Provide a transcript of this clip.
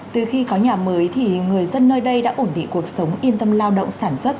từ khi có nhà mới thì người dân nơi đây đã ổn định cuộc sống yên tâm lao động sản xuất